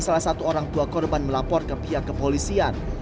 salah satu orang tua korban melapor ke pihak kepolisian